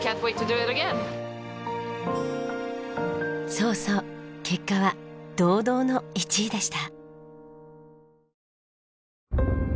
そうそう結果は堂々の１位でした。